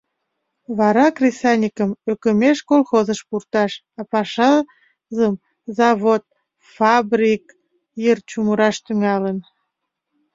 Вара кресаньыкым ӧкымеш колхозыш пурташ, а пашазым завод, фабрик йыр чумыраш тӱҥалын.